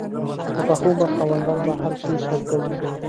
د پاخه عمر خاوندان په هر شي شک کوي.